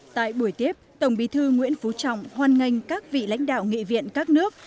tại buổi tiếp tổng bí thư nguyễn phú trọng hoan nghênh các vị lãnh đạo nghị viện các nước